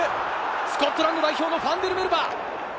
スコットランド代表のファンデルメルヴァ。